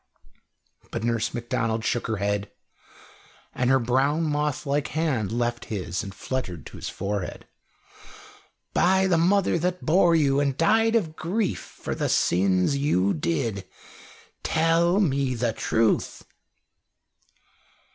But Nurse Macdonald shook her head, and her brown, moth like hand left his and fluttered to his forehead. "By the mother that bore you and died of grief for the sins you did, tell me the truth!"